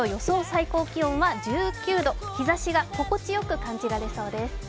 最高気温は１９度、日ざしが心地よく感じられそうです。